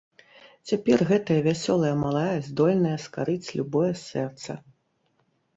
Цяпер гэтая вясёлая малая здольная скарыць любое сэрца.